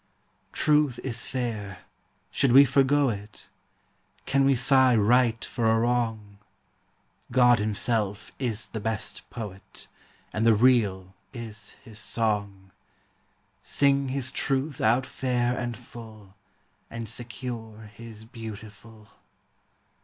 Truth is fair; should we forego it? Can we sigh right for a wrong ? God Himself is the best Poet, And the Real is His song. Sing His Truth out fair and full, And secure His beautiful.